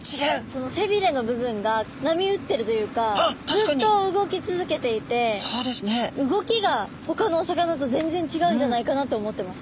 その背びれの部分が波打ってるというかずっと動き続けていて動きがほかのお魚と全然違うんじゃないかなと思ってます。